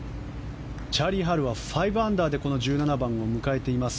チャーリー・ハルは５アンダーで１７番を迎えています。